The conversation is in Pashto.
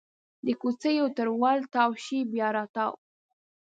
د کوڅېو تر ول تاو شي بیا راتاو